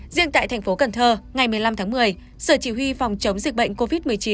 riêng tại thành phố cần thơ ngày một mươi năm tháng một mươi sở chỉ huy phòng chống dịch bệnh covid một mươi chín